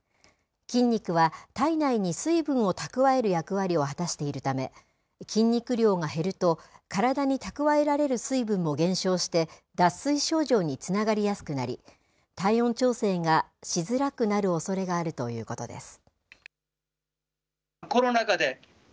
筋肉は体内に水分を蓄える役割を果たしているため、筋肉量が減ると、体に蓄えられる水分も減少して、脱水症状につながりやすくなり、体温調整がしづらくなるおそれがあるということです。